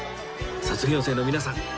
卒業生の皆さん